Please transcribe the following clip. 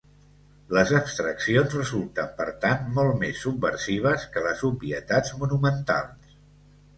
Les abstraccions resulten per tant molt més subversives que les obvietats monumentals.